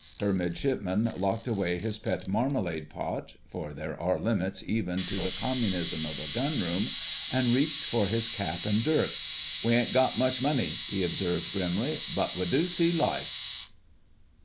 Her Midshipman locked away his pet marmalade pot (for there are limits even to the communism of a gunroom) and reached for his cap and dirk. "We ain't got much money," he observed grimly, "but we do see life!"